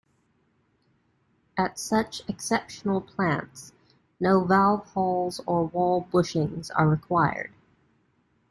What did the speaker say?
At such exceptional plants no valve halls or wall bushings are required.